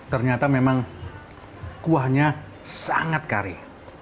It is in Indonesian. ternyata memang kuahnya sangat kari